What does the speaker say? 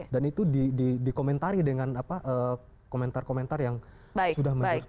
dan itu di komentari dengan komentar komentar yang sudah menuju